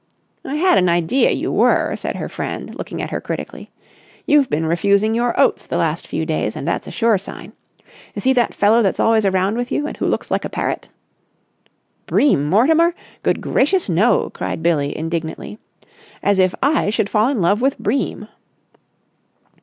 "I had an idea you were," said her friend looking at her critically. "You've been refusing your oats the last few days, and that's a sure sign. Is he that fellow that's always around with you and who looks like a parrot?" "Bream Mortimer? Good gracious, no!" cried Billie indignantly. "As if I should fall in love with Bream!"